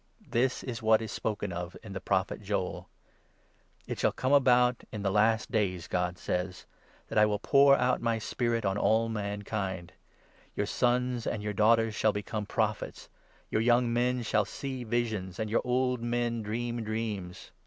This is what is spoken 16 of in the prophet Joel — 'It shall come about in the last days,' God says, 17 ' That I will pour out my Spirit on all mankind ; Your sons and your daughters shall become Prophets, Your young men shall see visions, And your old men dream dreams ;" Joel 2. 28. 216 THE ACTS, 2.